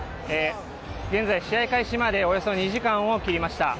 現在、試合開始までおよそ２時間を切りました。